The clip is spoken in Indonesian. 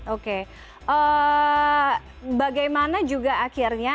oke bagaimana juga akhirnya